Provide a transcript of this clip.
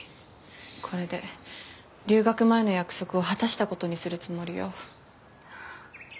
これで留学前の約束を果たした事にするつもりよ。